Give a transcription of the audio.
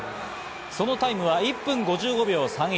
そのタイムは１分５５秒３１。